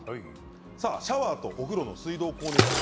シャワーとお風呂の水道光熱費